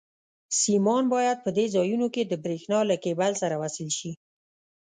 سیمان باید په دې ځایونو کې د برېښنا له کېبل سره وصل شي.